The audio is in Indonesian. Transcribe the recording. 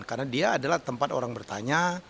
karena dia adalah tempat orang bertanya